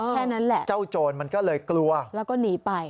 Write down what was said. แค่นั้นแหละเจ้าโจรมันก็เลยกลัวแล้วก็หนีไป